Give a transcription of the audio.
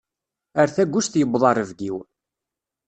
Ar tagust yewweḍ rrebg-iw.